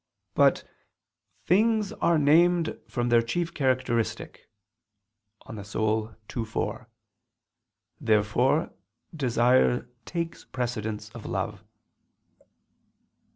But "things are named from their chief characteristic" (De Anima ii, 4). Therefore desire takes precedence of love.